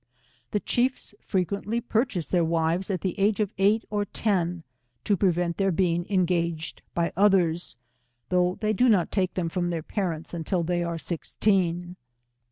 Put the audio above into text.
The chiefs, frequently purchase their wives at the age of eight or ten, to prevent their being engaged by others, though they do not take them from their parents un til they are sixteen.